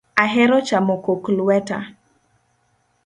Ahero chamo kok lweta